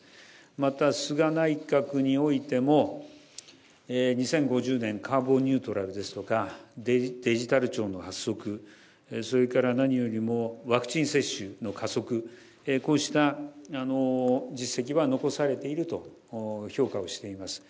また、菅内閣においても、２０５０年カーボンニュートラルですとか、デジタル庁の発足、それから何よりもワクチン接種の加速、こうした実績は残されていると評価をしています。